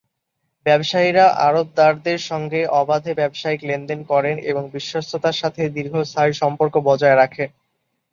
ব্যবসায়ীরা আড়তদারদের সঙ্গে অবাধে ব্যবসায়িক লেনদেন করেন এবং বিশ্বস্ততার সাথে দীর্ঘস্থায়ী সম্পর্ক বজায় রাখেন।